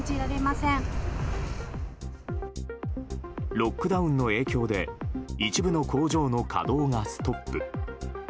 ロックダウンの影響で一部の工場の稼働がストップ。